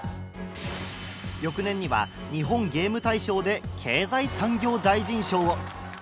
翌年には日本ゲーム大賞で経済産業大臣賞を。